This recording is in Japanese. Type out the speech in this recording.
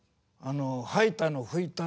掃いたの？